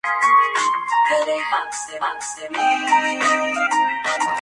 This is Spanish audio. Es moderadamente nómada en años normales, pero se dispersa ampliamente en tiempos de sequía.